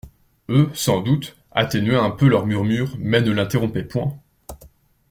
Eux, sans doute, atténuaient un peu leur murmure mais ne l'interrompaient point.